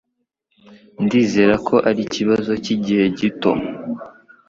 Ndizera ko arikibazo cyigihe gito.